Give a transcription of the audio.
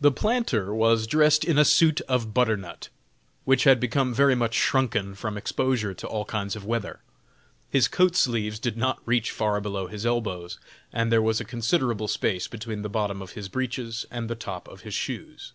The planter was dressed in a suit of butternut, which had become very much shrunken, from exposure to all kinds of weather. His coat sleeves did not reach far below his elbows, and there was a considerable space between the bottom of his breeches and the top of his shoes.